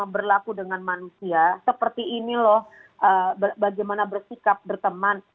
berlaku dengan manusia seperti ini loh bagaimana bersikap berteman